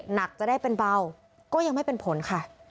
หนักจะได้เป็นเบาก็ยังไม่เป็นผลค่ะ